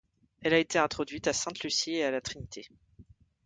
Elle a été introduite à Sainte-Lucie et à la Trinité.